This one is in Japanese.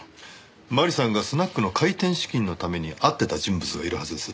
麻里さんがスナックの開店資金のために会ってた人物がいるはずです。